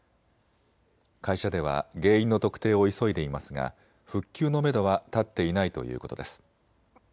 会社では原因の特定を急いでいますが復旧のめどは立っていないということです。